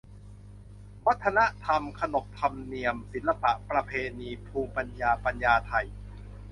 วัฒนธรรม ขนบธรรมเนียม ศิลปะ ประเพณี ภูมิปัญญา ภาษาไทย